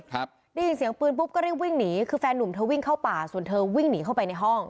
ครับได้ยินเสียงปืนปุ๊บก็รีบวิ่งหนีคือแฟนนุ่มเธอวิ่งเข้าป่าส่วนเธอวิ่งหนีเข้าไปในห้อง